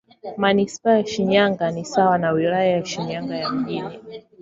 Manisipaa ya Shinyanga ni sawa na Wilaya ya Shinyanga Mjini.